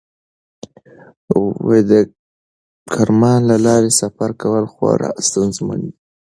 د کرمان له لارې سفر کول خورا ستونزمن و.